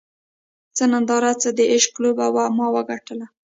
څه ننداره څه د عشق لوبه وه ما وګټله